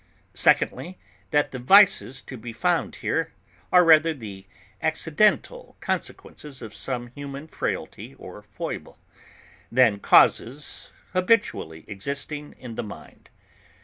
Secondly, that the vices to be found here are rather the accidental consequences of some human frailty or foible, than causes habitually existing in the mind.